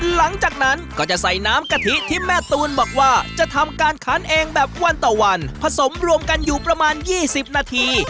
หลังจากนั้นก็จะใส่น้ำกะทิที่แม่ตูนบอกว่าจะทำการคันเองแบบวันต่อวันผสมรวมกันอยู่ประมาณ๒๐นาที